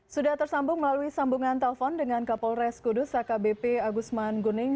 sudah tersambung melalui sambungan telpon dengan kapolres kudus akbp agusman guning